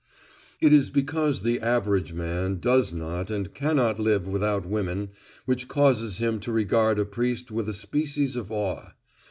It is because the average man does not and cannot live without women which causes him to regard a priest with a species of awe.